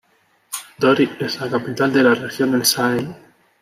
Dori es la capital de la región del Sahel.